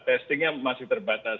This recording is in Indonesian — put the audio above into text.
testingnya masih terbatas